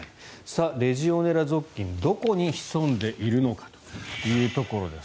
レジオネラ属菌どこに潜んでいるのかというところです。